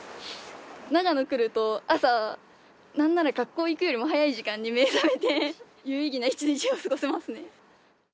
長野来ると、朝、なんなら学校行くよりも早い時間に目覚めて、有意義な一日を過ごせますね。